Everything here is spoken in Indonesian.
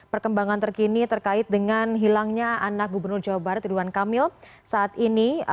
perkembangan terkini terkait dengan hilangnya anak gubernur jawa barat ridwan kamil saat ini